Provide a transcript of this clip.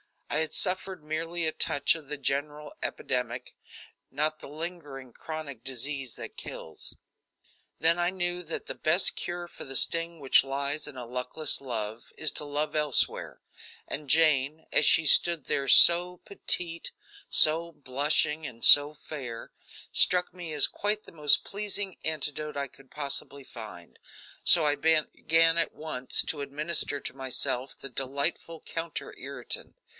I had suffered merely a touch of the general epidemic, not the lingering, chronic disease that kills. Then I knew that the best cure for the sting which lies in a luckless love is to love elsewhere, and Jane, as she stood there, so petite, so blushing and so fair, struck me as quite the most pleasing antidote I could possibly find, so I began at once to administer to myself the delightful counter irritant.